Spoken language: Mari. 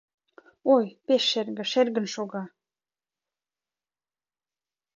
Ой, пеш шерге, шергын шога